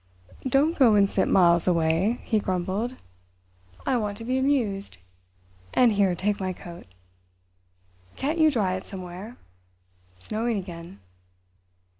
"Don't go and sit miles away," he grumbled. "I want to be amused. And here, take my coat. Can't you dry it somewhere?—snowing again."